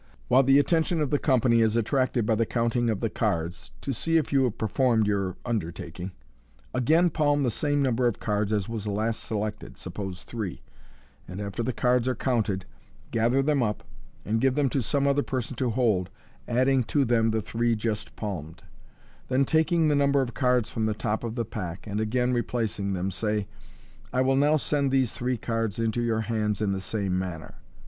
While the attention of the company is attracted by the counting of the cards, to see if you have performed your under taking, again palm the same number of cards as was last selected (suppose three), and, after the cards are counted, gather them up, and give them to some other person to hold, adding to them the three just palmed j then taking that number of cards from the top of the pack, and again replacing them, say, " I will now send these three cards into your hands in the same manner."